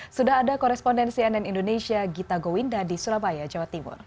sudah ada korespondensi ann indonesia gita gowinda di surabaya jawa timur